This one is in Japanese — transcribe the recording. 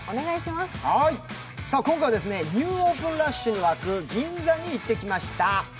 今回はニューオープンラッシュに沸く銀座に行ってきました。